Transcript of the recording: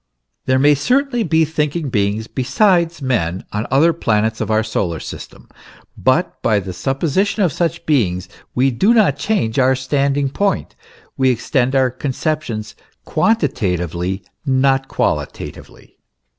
There may certainly be thinking beings besides men on the other planets of our solar system. But by the supposition of such beings we do not change our standing point we extend our conceptions quantitatively, not qualita tively.